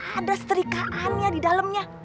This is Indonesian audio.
ada setrikaannya di dalamnya